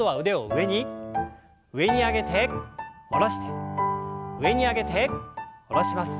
上に上げて下ろして上に上げて下ろします。